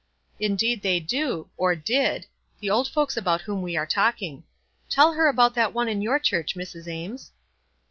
"" Indeed they do, or did — the old folks about whom we are talking. Tell her about that one in your church, Mrs. Ames." WISE AND OTHERWISE.